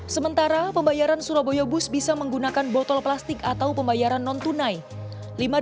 sementara pembayaran surabaya bus bisa menggunakan botol plastik atau pembayaran non tunai